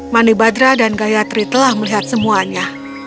manibadra dan gayatri telah melihat semuanya